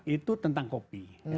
itu tentang kopi